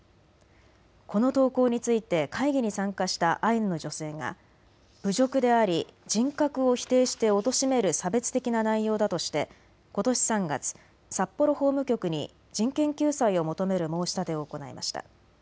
この投稿について会議に参加したアイヌの女性が侮辱であり人格を否定しておとしめる差別的な内容だとしてことし３月、札幌法務局に人権救済を求める申し立てを行いました。